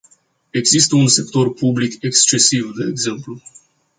Există un sector public excesiv, de exemplu.